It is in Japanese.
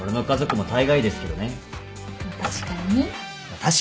確かに。